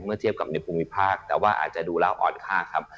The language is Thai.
เทียบกับในภูมิภาคแต่ว่าอาจจะดูแล้วอ่อนค่าครับ